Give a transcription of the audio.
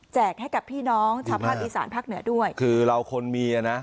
แจกให้กับพี่น้องสภาพอีสานภาคเหนือด้วยคือเราคนมีอ่ะนะ